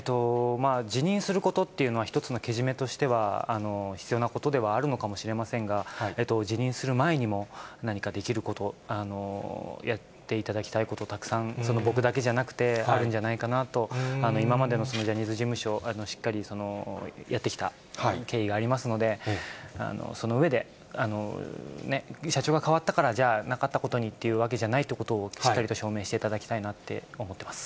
辞任することっていうのは、一つのけじめとしては必要なことではあるのかもしれませんが、辞任する前にも何かできること、やっていただきたいこと、たくさん、僕だけじゃなくてあるんじゃないかなと、今までのジャニーズ事務所、しっかりやってきた経緯がありますので、その上で、社長が代わったから、じゃあなかったことにっていうわけじゃないことを、しっかりと証明していただきたいなって思ってます。